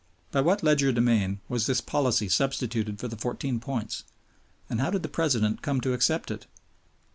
By what legerdemain was this policy substituted for the Fourteen Points, and how did the President come to accept it?